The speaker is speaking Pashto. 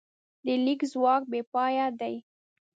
د لیک ځواک بېپایه دی.